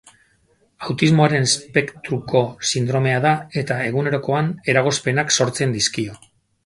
Autismoaren espektruko sindromea da eta egunerokoan eragozpenak sortzen dizkio.